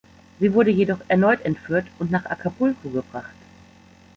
Sie wurde jedoch erneut entführt und nach Acapulco gebracht.